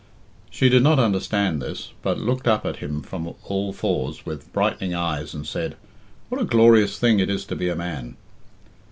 She did not understand this, but looked up at him from all fours with brightening eyes, and said, "What a glorious thing it is to be a man!"